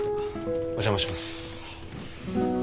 お邪魔します。